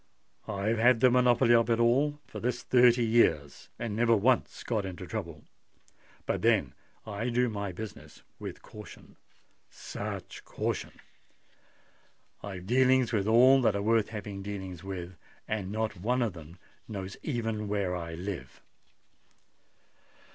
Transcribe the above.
"I've had the monopoly of it all for this thirty years, and never once got into trouble. But then I do my business with caution—such caution! I've dealings with all that are worth having dealings with; and not one of them knows even where I live!"